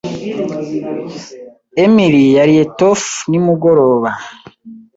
Emily yariye tofu nimugoroba.